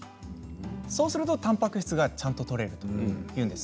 そうするとたんぱく質がちゃんととれるというんです。